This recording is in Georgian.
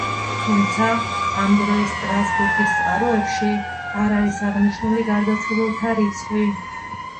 თუმცა, ამ დროის სტრასბურგის წყაროებში არ არის აღნიშნული გარდაცვლილთა რიცხვი.